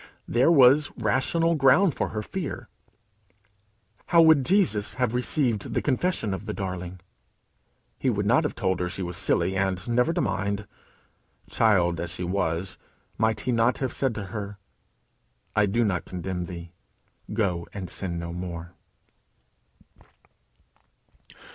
There was rational ground for her fear. How would Jesus have received the confession of the darling? He would not have told her she was silly, and "never to mind." Child as she was, might he not have said to her, "I do not condemn thee: go and sin no more"?